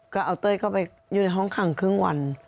ก็เอาเต้ยเข้าไปอยู่ในห้องขังครึ่งวัน